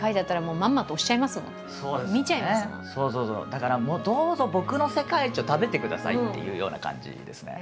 だからどうぞ僕の世界一を食べてくださいっていうような感じですね